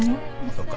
そっか。